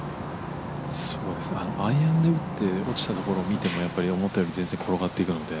アイアンで打って落ちるところを見ても思ったより全然転がっていくので。